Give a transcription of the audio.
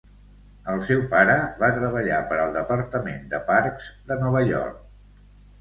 El seu pare va treballar per al Departament de Parcs de Nova York.